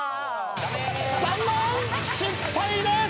残念失敗です！